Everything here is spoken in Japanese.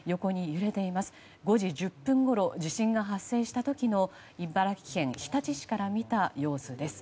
５時１０分ごろ地震が発生した時の茨城県日立市から見た様子です。